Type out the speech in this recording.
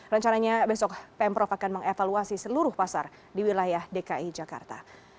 rencananya besok pemprov akan mengevaluasi seluruh pasar di wilayah dki jakarta